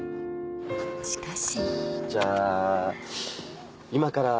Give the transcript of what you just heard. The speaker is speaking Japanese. しかし。